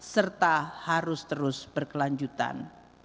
serta harus terus berkelanjutan